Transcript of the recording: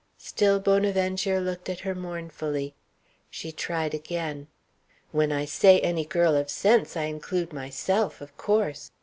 Still Bonaventure looked at her mournfully. She tried again. "When I say any girl of sense I include myself of course!